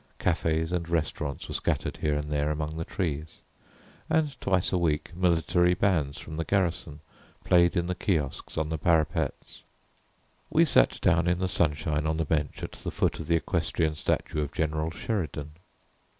Cafés and restaurants were scattered here and there among the trees, and twice a week military bands from the garrison played in the kiosques on the parapets. We sat down in the sunshine on the bench at the foot of the equestrian statue of General Sheridan.